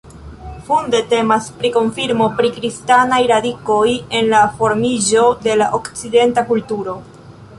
Funde temas pri konfirmo pri kristanaj radikoj en la formiĝo de la okcidenta kulturo.